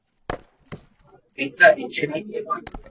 Habita en China y Taiwan.